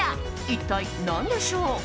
一体、何でしょう。